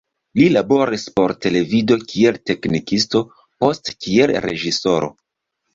Li laboris por televido kiel teknikisto, poste kiel reĝisoro.